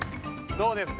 どうですか？